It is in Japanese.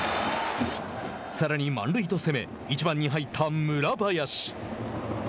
さらに満塁と攻め１番に入った村林。